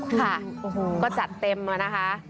ค่ะก็จัดเต็มมานะคะ